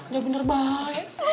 ya bener baik